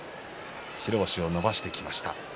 白星を伸ばしてきました。